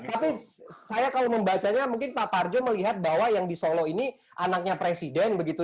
tapi saya kalau membacanya mungkin pak parjo melihat bahwa yang di solo ini anaknya presiden begitu